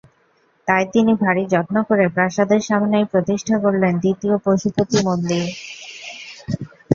তাই তিনি ভারি যত্ন করে প্রাসাদের সামনেই প্রতিষ্ঠা করলেন, দ্বিতীয় পশুপতি মন্দির।